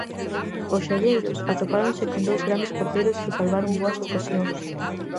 Os xalleiros atopáronse con dous grandes porteiros que salvaron boas ocasións.